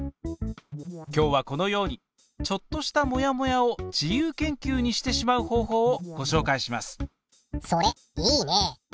今日はこのようにちょっとしたモヤモヤを自由研究にしてしまう方法をごしょうかいします。